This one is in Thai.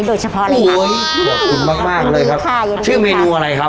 โดยเฉพาะเลยโอ้ยขอบคุณมากมากเลยครับค่ะชื่อเมนูอะไรครับ